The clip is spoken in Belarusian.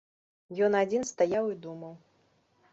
Ён адзін стаяў і думаў.